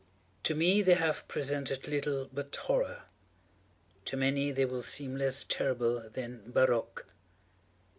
To me, they have presented little but horror—to many they will seem less terrible than barroques.